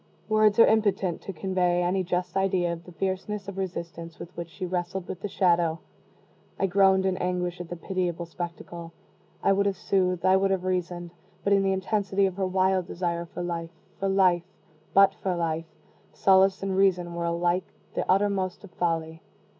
Words are impotent to convey any just idea of the fierceness of resistance with which she wrestled with the Shadow. I groaned in anguish at the pitiable spectacle. I would have soothed I would have reasoned; but in the intensity of her wild desire for life for life but for life solace and reason were alike the uttermost of folly.